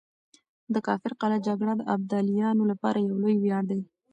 د کافر قلعه جګړه د ابدالیانو لپاره يو لوی وياړ دی.